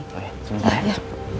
oke simpen ya